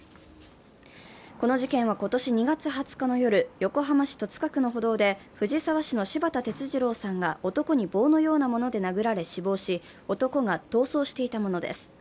この事件は今年２月２０日の夜、横浜市戸塚区の歩道で藤沢市の柴田哲二郎さんが男に棒のようなもので殴られ死亡し男が逃走していたものです。